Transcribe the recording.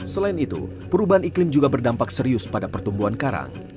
selain itu perubahan iklim juga berdampak serius pada pertumbuhan karang